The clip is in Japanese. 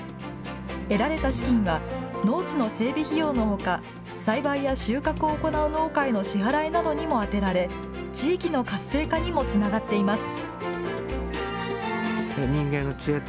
得られた資金は農地の整備のほか栽培や収穫を行う農家への支払いなどにも充てられ、地域の活性化にもつながっています。